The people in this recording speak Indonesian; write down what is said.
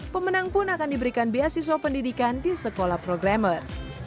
pemenang pun akan diberikan beasiswa pendidikan di sekolah programmer